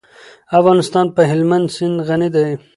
افغانستان په هلمند سیند غني دی.